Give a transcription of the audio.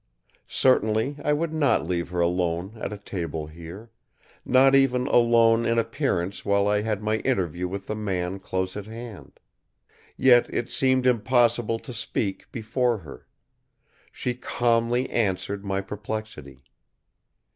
Certainly I would not leave her alone at a table here; not even alone in appearance while I had my interview with the man close at hand. Yet it seemed impossible to speak before her. She calmly answered my perplexity.